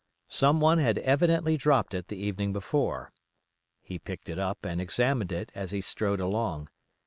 Someone had evidently dropped it the evening before. He picked it up and examined it as he strode along.